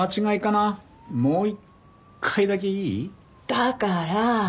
だから。